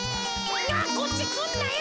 こっちくんなよ。